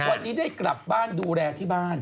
วันนี้ได้กลับบ้านดูแลที่บ้าน